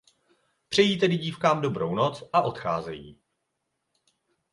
Přejí tedy dívkám dobrou noc a odcházejí.